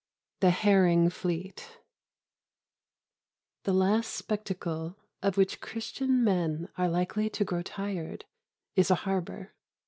II THE HERRING FLEET The last spectacle of which Christian men are likely to grow tired is a harbour.